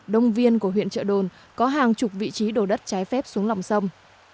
đông viên của huyện trợ đồn có hàng chục vị trí đổ đất trái phép xuống lòng sông